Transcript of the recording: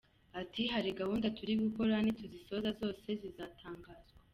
Ati “Hari gahunda turi gukora nituzisoza zose zizatangazwa.